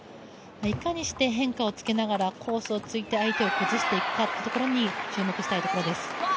いかにして変化をつけながら、コースをついて相手を崩していくかに注目していきたいです。